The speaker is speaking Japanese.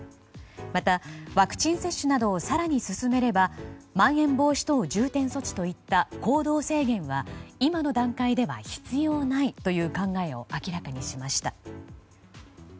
また、ワクチン接種などを更に進めればまん延防止等重点措置といった行動制限は今の段階では必要ないという考えを明らかにしました。